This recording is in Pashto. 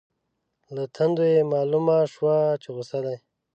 له تندو یې مالومه شوه چې غصه دي.